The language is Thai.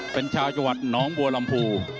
เป็นชาวจัวรรดิ์หนองบัวลำภู